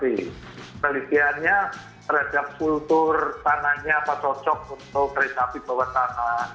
penelitiannya terhadap kultur tanahnya apa cocok untuk kereta api bawah tanah